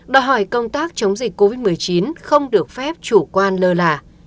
đòi hỏi công tác chống dịch covid một mươi chín không được phép chủ quan lơ là